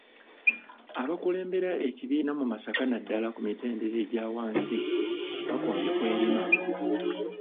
Abakulembera ekibiina mu Masaka naddala ku mitendera egya wansi bakombye kw'erima.